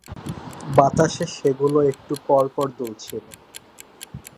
বাতাসে সেগুলো একটু পরপর দুলছিল।